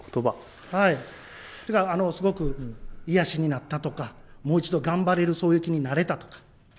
すごく癒やしになったとかもう一度、頑張れる、そういう気になれたとか。